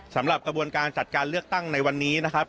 สำหรับกระบวนการจัดการเลือกตั้งในวันนี้นะครับ